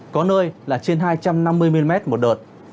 có nơi là trên hai trăm năm mươi mm một đợt